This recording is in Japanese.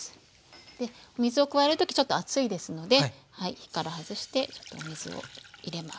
でお水を加える時ちょっと熱いですので火から外してちょっとお水を入れます。